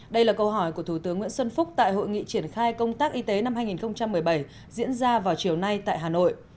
đây là câu hỏi của thủ tướng nguyễn xuân phúc tại hội nghị triển khai công tác y tế năm hai nghìn một mươi bảy diễn ra vào chiều nay tại hà nội